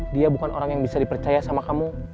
dia bukan orang yang bisa dipercaya sama kamu